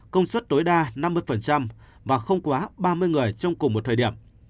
công suất tối đa năm mươi và không quá ba mươi người trong cùng một thời điểm